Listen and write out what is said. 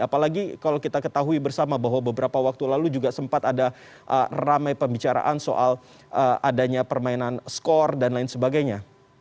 apalagi kalau kita ketahui bersama bahwa beberapa waktu lalu juga sempat ada ramai pembicaraan soal adanya permainan skor dan lain sebagainya